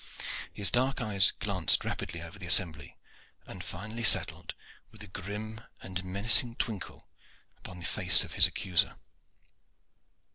His dark eyes glanced rapidly over the assembly, and finally settled with a grim and menacing twinkle upon the face of his accuser.